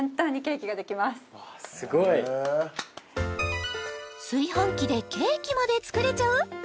すごい炊飯器でケーキまで作れちゃう？